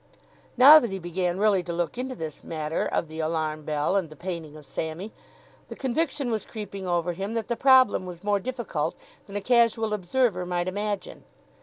Now that he began really to look into this matter of the alarm bell and the painting of Sammy, the conviction was creeping over him that the problem was more difficult than a casual observer might imagine.